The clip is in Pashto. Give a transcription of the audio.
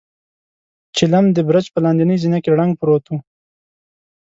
چيلم د برج په لاندنۍ زينه کې ړنګ پروت و.